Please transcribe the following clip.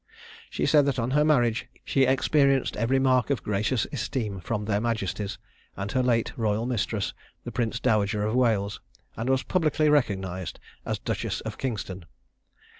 She said that on her marriage she experienced every mark of gracious esteem from their majesties, and her late royal mistress, the Princess Dowager of Wales, and was publicly recognized as Duchess of Kingston.